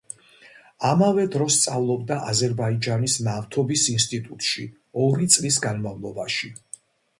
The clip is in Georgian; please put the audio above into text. ამავე დროს სწავლობდა აზერბაიჯანის ნავთობის ინსტიტუტში ორი წლის განმავლობაში.